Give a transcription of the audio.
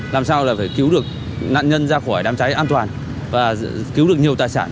làm sao là phải cứu được nạn nhân ra khỏi đám cháy an toàn và cứu được nhiều tài sản